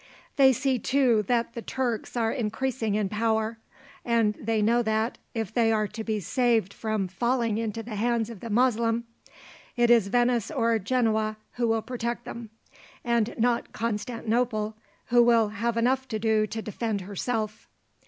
They see, too, that the Turks are increasing in power, and they know that, if they are to be saved from falling into the hands of the Moslem, it is Venice or Genoa who will protect them, and not Constantinople, who will have enough to do to defend herself.